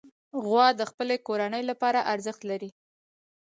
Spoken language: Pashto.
غوا د خپلې کورنۍ لپاره ارزښت لري.